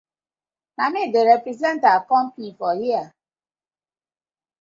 Na mi dey represent our company for here.